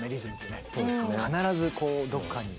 必ずこうどっかに。